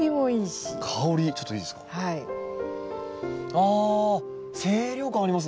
あ清涼感ありますね。